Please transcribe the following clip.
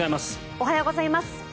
おはようございます。